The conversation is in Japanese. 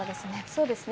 そうですね。